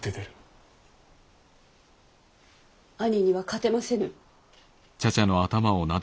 兄には勝てませぬ。